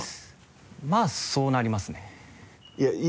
まぁそうなりますね。